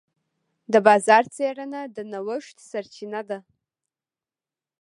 د بازار څېړنه د نوښت سرچینه ده.